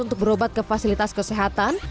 untuk berobat ke fasilitas kesehatan